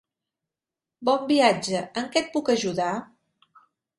Bon viatge! En què et puc ajudar?